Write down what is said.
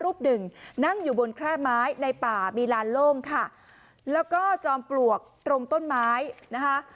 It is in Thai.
รูปหนึ่งนั่งอยู่บนแคร่ไม้ในป่ามีลานโล่งค่ะแล้วก็จอมปลวกตรงต้นไม้นะคะ